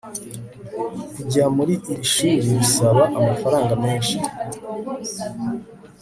kujya muri iri shuri bisaba amafaranga menshi